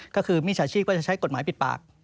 ก็คือมีชาชิกว่าจะใช้กฎหมายปิดปาก